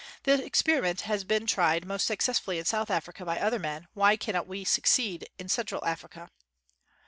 The experiment has been tried most successfully in South Africa by other men ; why cannot we succeed in Central Africa